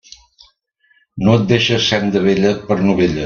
No et deixes senda vella per novella.